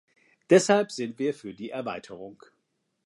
Deshalb sind wir für die Erweiterung.